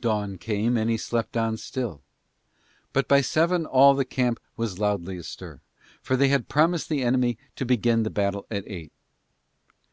Dawn came and he slept on still; but by seven all the camp was loudly astir, for they had promised the enemy to begin the battle at eight.